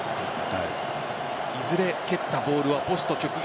いずれ蹴ったボールはポスト直撃。